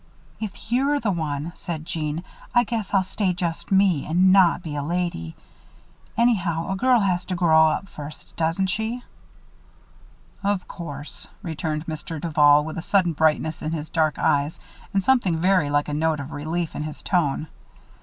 "If you're the one," said Jeanne, "I guess I'll stay just me and not be a lady. Anyhow, a girl has to grow up first, doesn't she?" "Of course," returned Mr. Duval, with a sudden brightness in his dark eyes and something very like a note of relief in his tone.